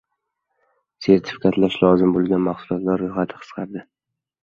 Sertifikatlash lozim bo‘lgan mahsulotlar ro‘yxati qisqardi